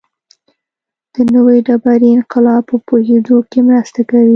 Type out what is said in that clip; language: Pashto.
د نوې ډبرې انقلاب په پوهېدو کې مرسته کوي